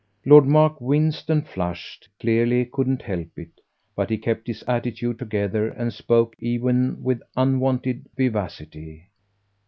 Lord Mark winced and flushed clearly couldn't help it; but he kept his attitude together and spoke even with unwonted vivacity.